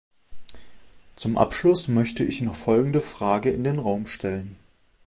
Zum Abschluss möchte ich noch folgende Frage in den Raum stellen.